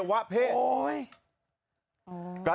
ฮ่า